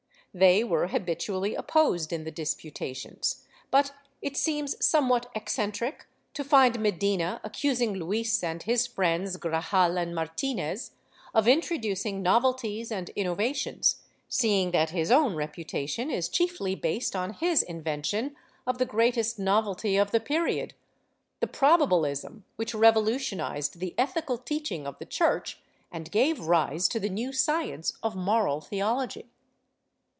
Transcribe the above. They were habitually opposed in the disputations, but it seems somewhat eccentric to find Medina accusing Luis and his friends Grajal and Martinez of introducing novelties and innova tions, seeing that his own reputation is chiefly based on his inven tion of the greatest novelty of the period — the Probabilism which revolutionized the ethical teaching of the Church and gave rise to the new science of Moral Theology.